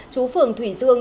chú phường thủy dương